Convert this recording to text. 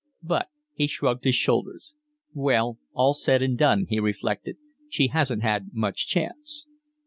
But he shrugged his shoulders. "When all's said and done," he reflected, "she hasn't had much chance."